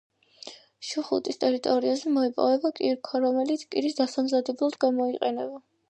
შუხუთის ტერიტორიაზე მოიპოვება კირქვა, რომელიც კირის დასამზადებლად გამოიყენება.